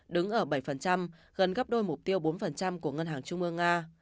đứng ở bảy gần gấp đôi mục tiêu bốn của ngân hàng trung ương nga